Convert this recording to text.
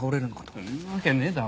そんなわけねえだろ。